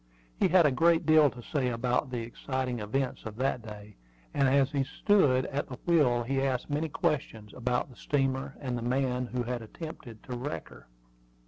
He had a great deal to say about the exciting events of that day; and as he stood at the wheel he asked many questions about the steamer and the man who had attempted to wreck her.